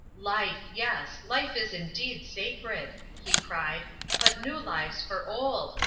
"Life, yes, Life is indeed sacred!" he cried; "but new lives for old!